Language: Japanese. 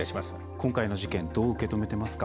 今回の事件どう受け止めてますか？